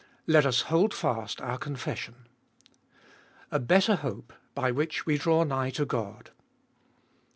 Let us hold fast our confession. A better hope, by which we draw nigh to God.